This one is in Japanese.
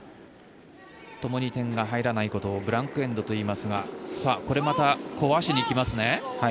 ともに点が入らないことをブランク・エンドといいますがこれまた、壊しにいきますね。